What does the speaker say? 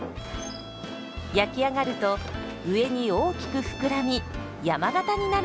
焼き上がると上に大きく膨らみ山型になるんです。